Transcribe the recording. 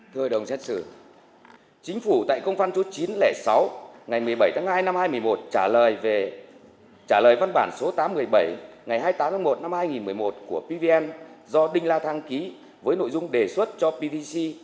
thời đồng xét xử chính phủ tại công phan số chín trăm linh sáu ngày một mươi bảy tháng hai năm hai nghìn một mươi một trả lời về trả lời văn bản số tám trăm một mươi bảy ngày hai mươi tám tháng một năm hai nghìn một mươi một của pvn do đinh la thăng ký với nội dung đề xuất cho pvc